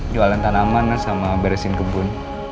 jualan tanaman sama beresin kebun